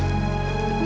gimana nih pacarnya